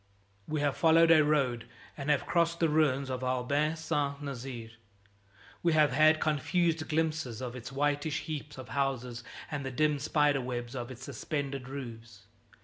We have followed a road and have crossed the ruins of Ablain Saint Nazaire. We have had confused glimpses of its whitish heaps of houses and the dim spider webs of its suspended roofs.